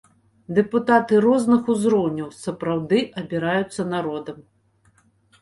Дэпутаты розных узроўняў сапраўды абіраюцца народам.